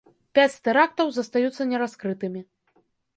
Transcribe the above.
Пяць тэрактаў застаюцца нераскрытымі.